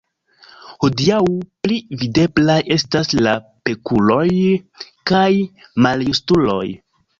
Hodiaŭ, pli videblaj estas la pekuloj kaj maljustuloj.